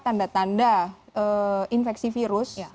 tanda tanda infeksi virus